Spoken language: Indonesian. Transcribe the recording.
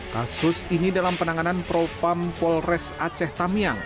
kasus ini dalam penanganan propam polres aceh tamiang